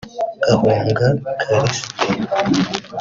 Gahonga Callixte